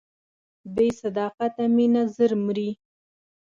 بې صداقته مینه ژر مري.